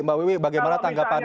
mbak wiwi bagaimana tanggapannya